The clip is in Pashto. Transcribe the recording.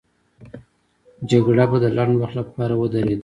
جګړه به د لنډ وخت لپاره ودرېده.